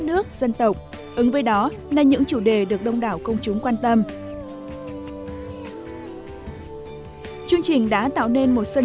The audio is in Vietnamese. ước nghĩa nhất của mình